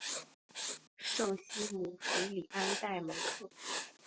圣西姆福里安代蒙特。